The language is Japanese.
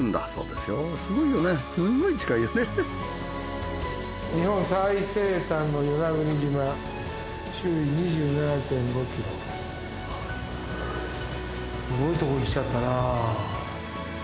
すごいとこに来ちゃったな。